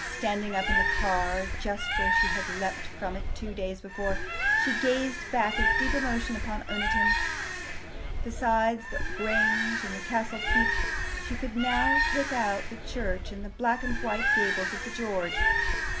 Standing up in the car, just where she had leapt from it two days before, she gazed back with deep emotion upon Oniton. Besides the Grange and the Castle keep, she could now pick out the church and the black and white gables of the George.